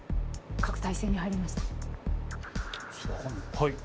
はい。